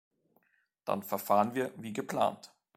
Dann verfahren wir wie geplant.